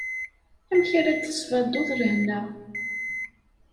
Amek ara d-tesbaduḍ lehna?